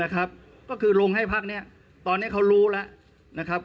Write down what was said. ก็คือลงให้พักนี้ตอนนี้เขารู้แล้วนะครับ